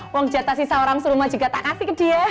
wang jatah sisa orang seluruh rumah juga tak kasih ke dia